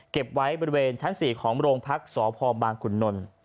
เก็บไว้บริเวณชั้น๔ของโรงพักษ์สพบางขุนนล